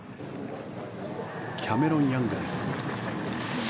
キャメロン・ヤングです。